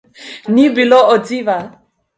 Ni bilo odziva.